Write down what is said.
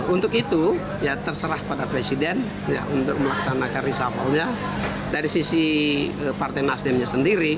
untuk itu ya terserah pada presiden untuk melaksanakan reshuffle nya dari sisi partai nasdemnya sendiri